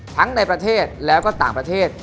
ทั้งในประเทศแล้วก็ต่างประเทศ